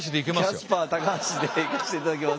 キャスパー高橋でいかしていただきます。